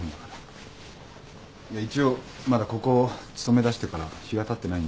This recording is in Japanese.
一応まだここ勤めだしてから日がたってないんで。